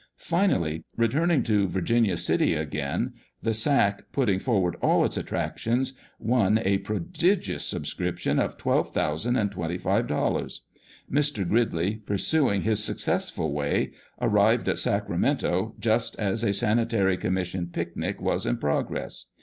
Finally, returning to Virginia city again, the sack, putting forward all its attractions, won a prodigious sub scription of twelve thousand and twenty five dollars. Mr. Gridley, pursuing his successful way, arrived at Sacramento just as a " Sanitary Commission pic nic" was in progress.